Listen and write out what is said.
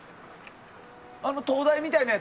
あの灯台みたいなやつ？